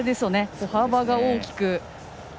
歩幅が大きく。